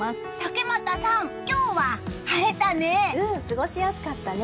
竹俣さん、今日は晴れたね！